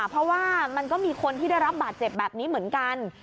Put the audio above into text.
เพราะว่ามันก็มีคนที่ได้รับบาดเจ็บแบบนี้เหมือนกัน